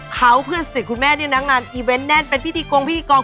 เขาเพื่อนสนิทคุณแม่เนี่ยนะงานอีเวนต์แน่นเป็นพิธีกงพิธีกร